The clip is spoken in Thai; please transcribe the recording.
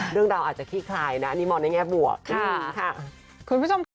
เรื่องเราอาจจะขี้คลายนะนี่มองในแง่บวก